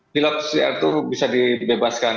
pilot pcr itu bisa dibebaskan